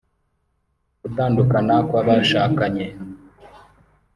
gutandukana kw’abashakanye